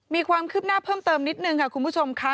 มีความคืบหน้าเพิ่มเติมนิดนึงค่ะคุณผู้ชมค่ะ